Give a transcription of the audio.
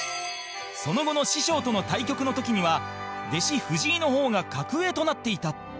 その後の師匠との対局の時には弟子、藤井の方が格上となっていた